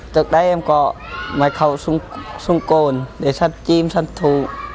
trước đây em có máy khẩu súng cồn để săn chim săn thú